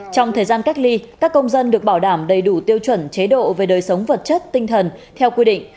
trong thời gian cách ly các công dân được bảo đảm đầy đủ tiêu chuẩn chế độ về đời sống vật chất tinh thần theo quy định